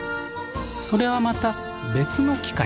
それはまた別の機会に。